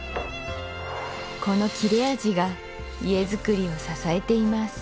この切れ味が家づくりを支えています